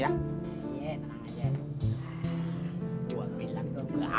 iya yang matang aja